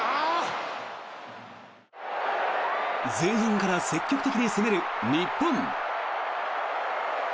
前半から積極的に攻める日本。